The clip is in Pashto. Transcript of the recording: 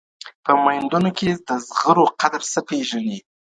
په میوندونو کي د زغرو قدر څه پیژني.